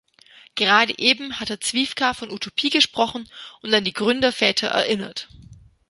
Gerade eben hat Herr Zwiefka von Utopie gesprochen und an die Gründerväter erinnert.